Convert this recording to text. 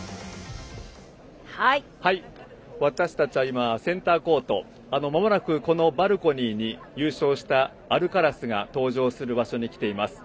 私たちは今センターコートまもなく、このバルコニーに優勝したアルカラスが登場する場所に来ています。